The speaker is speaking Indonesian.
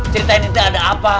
ceritain itu ada apa